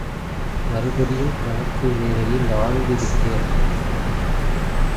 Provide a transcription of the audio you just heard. மறுபடியும் கணக்கு வேலையில் ஆழ்ந்து விட்டான்.